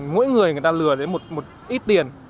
mỗi người người ta lừa đến một ít tiền